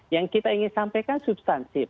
yang kita ingin sampaikan substansif